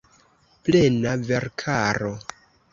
Plena verkaro.